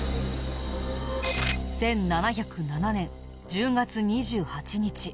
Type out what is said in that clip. １７０７年１０月２８日。